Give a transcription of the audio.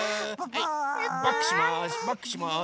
はいバックします